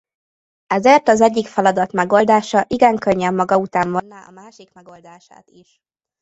Ezért az egyik feladat megoldása igen könnyen maga után vonná a másik megoldását is.